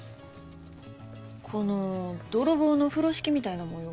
この泥棒の風呂敷みたいな模様は？